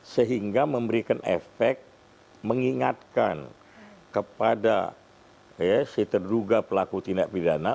sehingga memberikan efek mengingatkan kepada si terduga pelaku tindak pidana